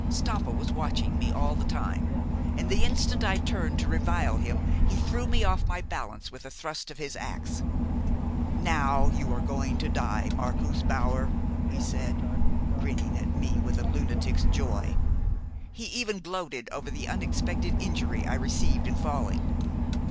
Stampa was watching me all the time, and the instant I turned to revile him he threw me off my balance with a thrust of his ax. 'Now you are going to die, Marcus Bauer!' he said, grinning at me with a lunatic's joy. He even gloated over the unexpected injury I received in falling.